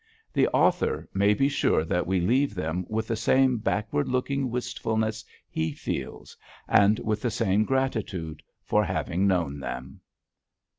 The author may be sure that we leave them with the same backward looking wistfulness he feels, and with the same gratitude for having known them.